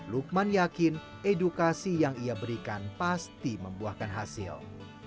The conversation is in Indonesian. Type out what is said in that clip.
lukman yakin edukasi yang ia berikan pasti membuahkan hasil